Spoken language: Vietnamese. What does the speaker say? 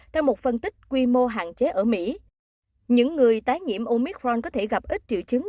theo một phân tích quy mô hạn chế ở mỹ những người tái nhiễm omicron có thể gặp ít triệu chứng